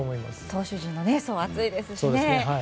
投手陣の層厚いですからね。